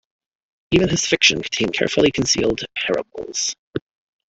Even his fiction contained carefully concealed parables.